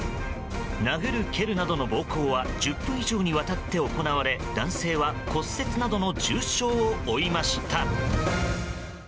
殴る蹴るなどの暴行は１０分以上にわたって行われ男性は、骨折などの重傷を負いました。